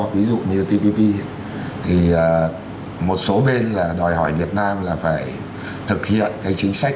ví dụ như tpp thì một số bên là đòi hỏi việt nam là phải thực hiện cái chính sách